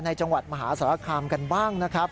จังหวัดมหาสารคามกันบ้างนะครับ